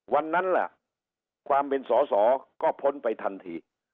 วันนั้นล่ะความเป็นสอสอก็พ้นไปทันที